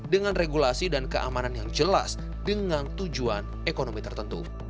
dengan regulasi dan keamanan yang jelas dengan tujuan ekonomi tertentu